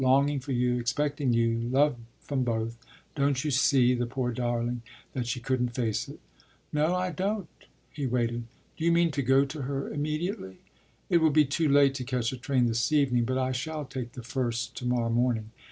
Longing for you, expecting you. Love from both.’ Don’t you see, the poor darling, that she couldn’t face it?” “No, I don’t.” He waited. “Do you mean to go to her immediately?” “It will be too late to catch a train this evening; but I shall take the first to morrow morning.